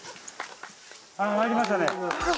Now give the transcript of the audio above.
あぁ入りましたね。